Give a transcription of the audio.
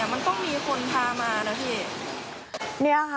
มันต้องมีคนพามานะพี่